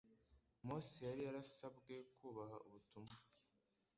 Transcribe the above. Mose yari yarasabwe kubaha ubutumwa